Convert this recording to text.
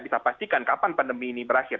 bisa pastikan kapan pandemi ini berakhir